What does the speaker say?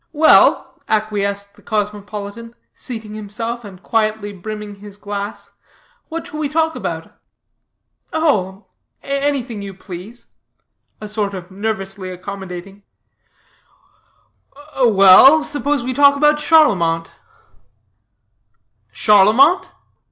"Well," acquiesced the cosmopolitan, seating himself, and quietly brimming his glass, "what shall we talk about?" "Oh, anything you please," a sort of nervously accommodating. "Well, suppose we talk about Charlemont?" "Charlemont?